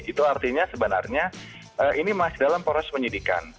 itu artinya sebenarnya ini masih dalam proses penyidikan